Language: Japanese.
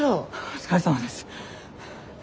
お疲れさまです。